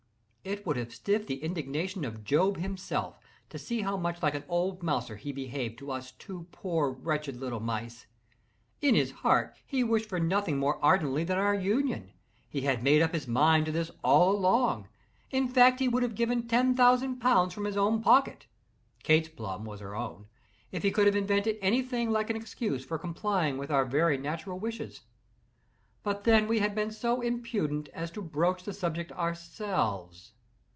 It would have stiffed the indignation of Job himself, to see how much like an old mouser he behaved to us two poor wretched little mice. In his heart he wished for nothing more ardently than our union. He had made up his mind to this all along. In fact, he would have given ten thousand pounds from his own pocket (Kate's plum was her own) if he could have invented any thing like an excuse for complying with our very natural wishes. But then we had been so imprudent as to broach the subject ourselves.